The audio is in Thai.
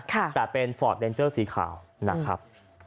แต่เป็นฟอร์ดเดนเจอร์สีขาวนะครับ